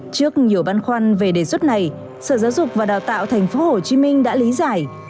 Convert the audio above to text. trước nhiều băn khoăn về đề xuất này sở giáo dục và đào tạo thành phố hồ chí minh đã lý giải